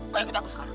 kau ikut aku sekarang